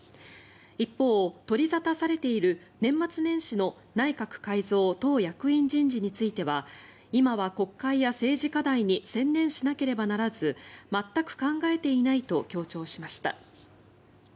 一方、取り沙汰されている年末年始の内閣改造、党役員人事については今は国会や政治課題に専念しなければならず全く考えていないと強調しました。